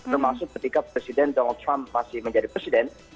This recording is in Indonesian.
termasuk ketika presiden donald trump masih menjadi presiden